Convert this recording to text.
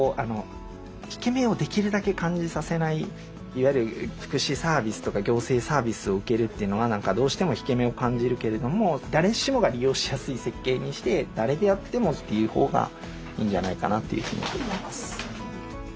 いわゆる福祉サービスとか行政サービスを受けるっていうのは何かどうしても引け目を感じるけれども誰しもが利用しやすい設計にして誰であってもっていう方がいいんじゃないかなというふうに思っています。